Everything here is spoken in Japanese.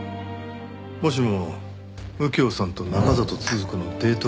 もしも右京さんと中郷都々子のデート